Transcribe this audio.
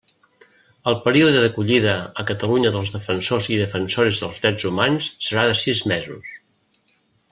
El període d'acollida a Catalunya dels Defensors i Defensores dels Drets Humans serà de sis mesos.